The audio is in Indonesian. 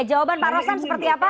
jawaban pak rosan seperti apa